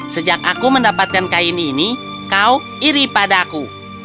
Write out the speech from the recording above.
sejak aku mendapatkan kain ini kau iri padaku